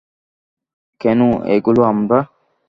কেনো, এইগুলো আমরা।